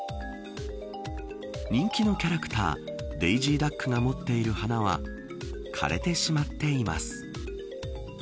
人気のキャラクターディジーダックが持っている花は枯れてしまっています。